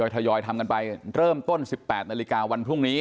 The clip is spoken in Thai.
ทยอยทำกันไปเริ่มต้น๑๘นาฬิกาวันพรุ่งนี้